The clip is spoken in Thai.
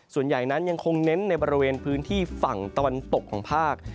ส่วนใหญ่นั้นยังคงเน้นในบริเวณพื้นที่ฝั่งตะวันตกของภาค